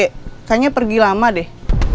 kayaknya pergi lama deh